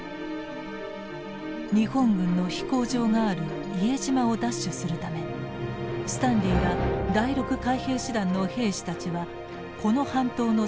日本軍の飛行場がある伊江島を奪取するためスタンリーら第６海兵師団の兵士たちはこの半島の制圧を目指していた。